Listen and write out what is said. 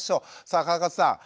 さあ川勝さん。